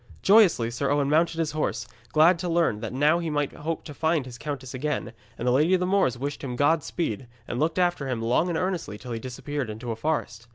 Joyously Sir Owen mounted his horse, glad to learn that now he might hope to find his countess again, and the Lady of the Moors wished him Godspeed, and looked after him long and earnestly till he disappeared into a forest.